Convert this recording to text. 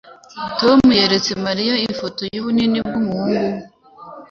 Tom yeretse Mariya ifoto yubunini bwumuhungu we.